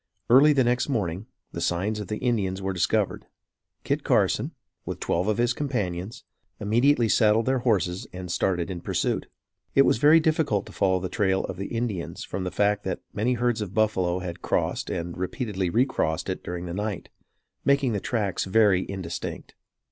Early the next morning, the signs of the Indians were discovered. Kit Carson, with twelve of his companions, immediately saddled their horses and started in pursuit. It was very difficult to follow the trail of the Indians from the fact that many herds of buffalo had crossed and repeatedly recrossed it during the night, making the tracks very indistinct.